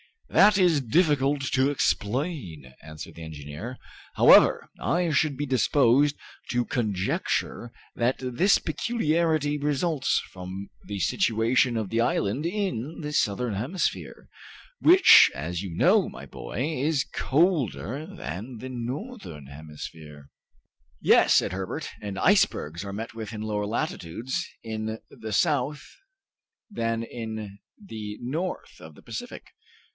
"That is difficult to explain," answered the engineer. "However, I should be disposed to conjecture that this peculiarity results from the situation of the island in the Southern Hemisphere, which, as you know, my boy, is colder than the Northern Hemisphere." "Yes," said Herbert, "and icebergs are met with in lower latitudes in the south than in the north of the Pacific."